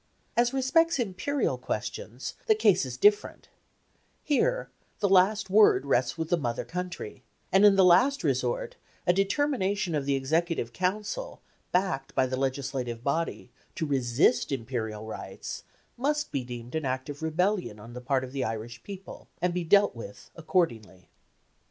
As respects imperial questions, the case is different; here the last word rests with the mother country, and in the last resort a determination of the Executive Council, backed by the Legislative Body, to resist imperial rights, must be deemed an act of rebellion on the part of the Irish people, and be dealt with accordingly.